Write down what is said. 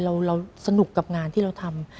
เราสนุกกับงานที่เราทำ